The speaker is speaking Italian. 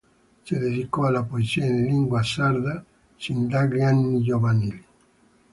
Si dedicò alla poesia in lingua sarda sin dagli anni giovanili.